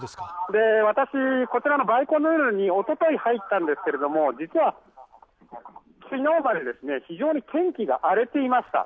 私、こちらのバイコヌールにおととい入ったんですけれども、実は昨日まで非常に天気が荒れていました。